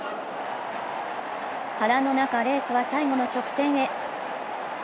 波乱の中、レースは最後の直線へ。